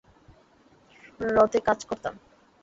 রতে কাজ করতাম।